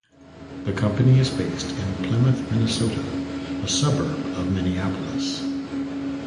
The company is based in Plymouth, Minnesota, a suburb of Minneapolis.